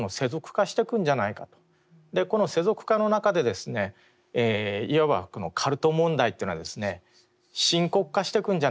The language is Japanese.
この世俗化の中でいわばこのカルト問題っていうのは深刻化してくんじゃないのかと。